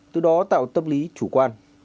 từ đó tạo tâm lý chủ quan